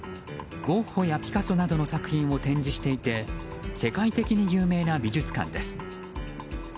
ゴッホやピカソなどの作品を展示していて世界的に有名な美術館です。